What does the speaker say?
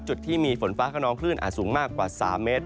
จุดที่มีฝนฟ้าขนองคลื่นอาจสูงมากกว่า๓เมตร